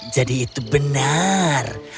jadi itu benar